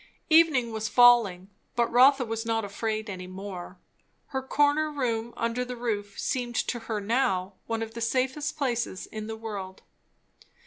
Evening was falling, but Rotha was not afraid any more. Her corner room under the roof seemed to her now one of the safest places in the world.